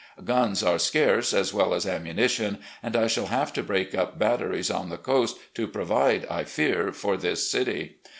"Guns are scarce, as well as ammunition, and I shall have to break up batteries on the coast to provide, I fear, for this city.